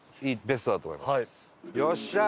よっしゃー！